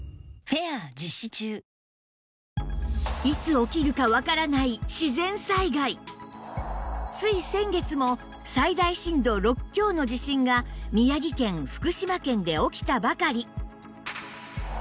いつ起きるかわからないつい先月も最大震度６強の地震が宮城県福島県で起きたばかり